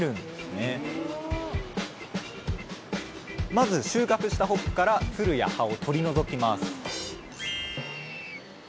まず収穫したホップからつるや葉を取り除きます